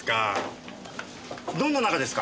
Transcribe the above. どんな仲ですか！？